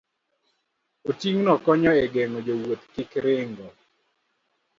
Oting'no konyo e geng'o jowuoth kik ringo